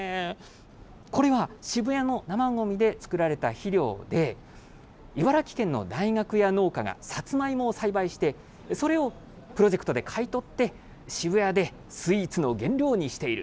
これは、渋谷の生ごみで作られた肥料で、茨城県の大学や農家がサツマイモを栽培して、それをプロジェクトで買い取って、渋谷でスイーツの原料にしている。